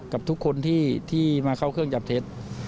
กับทุกคนที่มาเข้าเครื่องจับเท็จ